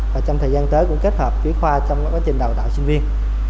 và trong thời gian tới cũng kết hợp với khoa trong quá trình đào tạo sinh viên